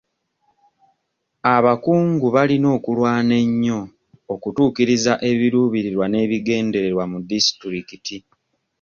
Abakungu balina okulwana ennyo okutuukiriza ebiruubirirwa n'ebigendererwa mu disitulikiti.